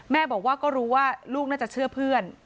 แม่บอกว่าก็รู้ว่าลูกน่าจะเชื่อเพื่อน